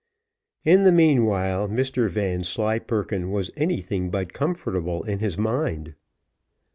In the meanwhile Mr Vanslyperken was anything but comfortable in his mind.